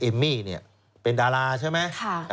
เอมมี่เนี้ยเป็นดาราใช่มั้ย